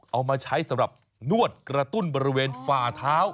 เอามาใช้สำหรับนวดกระตุ้นบริเวณฝ่าเท้า